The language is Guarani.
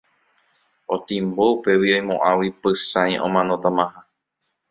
Otimbo upégui oimo'ãgui Pychãi omanotamaha.